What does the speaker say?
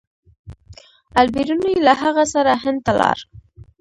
البیروني له هغه سره هند ته لاړ.